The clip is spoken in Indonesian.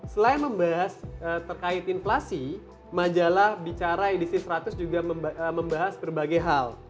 selain membahas terkait inflasi majalah bicara edc seratus juga membahas berbagai hal